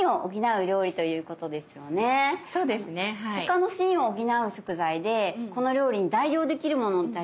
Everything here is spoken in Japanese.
他の「心」を補う食材でこの料理に代用できるものってありますか？